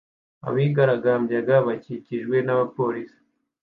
Abigaragambyaga bakikijwe n'abapolisi